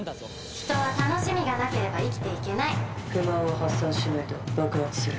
「人は楽しみがなければ生きていけない」「不満は発散しないと爆発する」